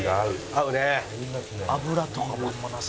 合うね。